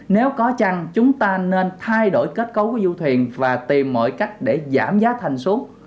nếu có chăng chúng ta nên thay đổi kết cấu của du thuyền và tìm mọi cách để giảm giá thành xuống